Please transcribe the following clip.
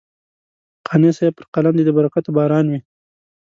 قانع صاحب پر قلم دې د برکتونو باران وي.